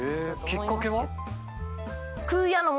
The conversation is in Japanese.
きっかけは？